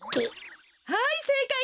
はいせいかいです。